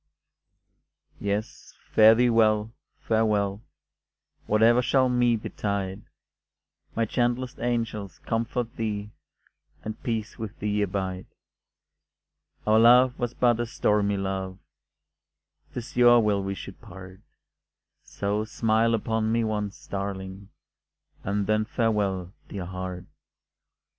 Yes, fare thee well, farewell, Whate'er shall me betide May gentlest angels comfort thee, And peace with thee abide; Our love was but a stormy love, 'Tis your will we should part So smile upon me once, darling, And then farewell, dear heart.